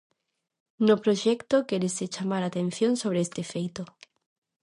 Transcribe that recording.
No proxecto quérese chamar a atención sobre este feito.